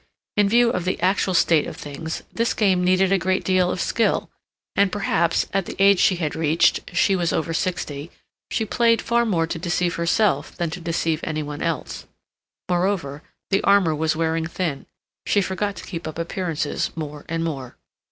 In view of the actual state of things this game needed a great deal of skill; and, perhaps, at the age she had reached—she was over sixty—she played far more to deceive herself than to deceive any one else. Moreover, the armor was wearing thin; she forgot to keep up appearances more and more.